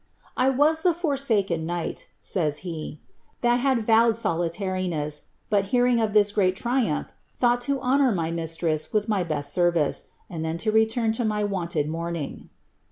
*^ I was the forsaken knight,'' says he, ^ that had vowed solitariness, nt hearing of this great triumph, thought to honour my mistress with ay best sendee, and then to return to my wonted mourning.''